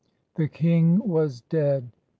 The king was dead !